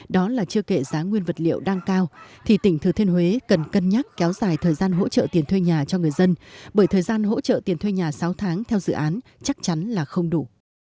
đó là chưa kệ giá nguyên vật liệu đang cao thì tỉnh thừa thiên huế cần cân nhắc kéo dài thời gian hỗ trợ tiền thuê nhà cho người dân bởi thời gian hỗ trợ tiền thuê nhà sáu tháng theo dự án chắc chắn là không đủ